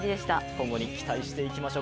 今後に期待していきましょう。